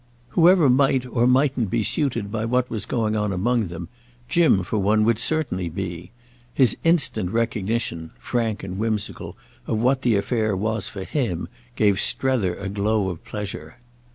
Whoever might or mightn't be suited by what was going on among them, Jim, for one, would certainly be: his instant recognition—frank and whimsical—of what the affair was for him gave Strether a glow of pleasure.